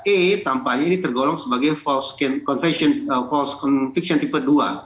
e tampaknya ini tergolong sebagai false conviction tipe dua